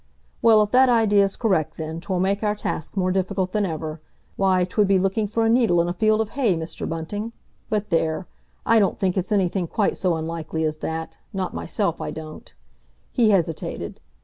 "Well, if that idea's correct then, 'twill make our task more difficult than ever. Why, 'twould be looking for a needle in a field of hay, Mr. Bunting! But there! I don't think it's anything quite so unlikely as that—not myself I don't." He hesitated.